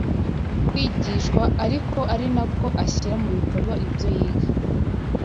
kwigishwa ariko ari nako ashyira mu bikorwa ibyo yiga.